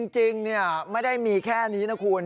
จริงไม่ได้มีแค่นี้นะคุณ